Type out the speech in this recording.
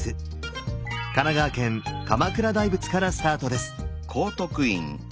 神奈川県鎌倉大仏からスタートです！